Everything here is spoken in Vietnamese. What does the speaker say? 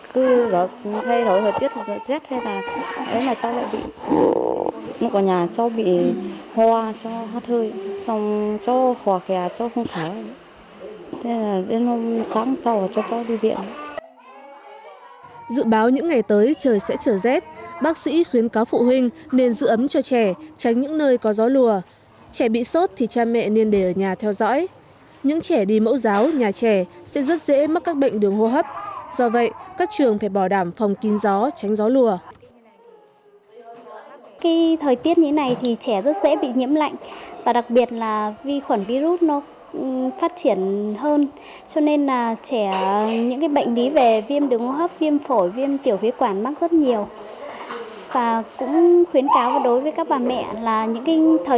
cứ gió thay đổi thời tiết gió chết hay là cháu lại bị hô có nhà cháu bị hoa cháu hát hơi cháu khỏa khẻ cháu không tháo